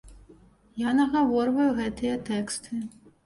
Я нагаворваю гэтыя тэксты.